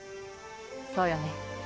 そうよね